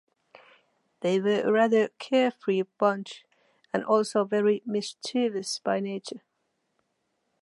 They were a rather carefree bunch, and also very mischievous by nature.